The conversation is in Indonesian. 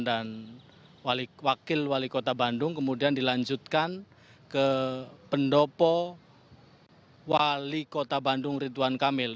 dan wakil wali kota bandung kemudian dilanjutkan ke pendopo wali kota bandung ridwan kamil